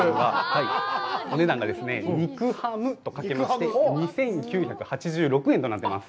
お値段がですね、にくはむと書きまして、２９８６円となってます。